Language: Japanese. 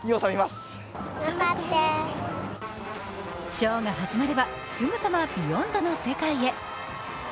ショーが始まればすぐさま「ＢＥＹＯＮＤ」の世界へ。